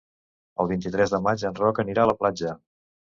El vint-i-tres de maig en Roc anirà a la platja.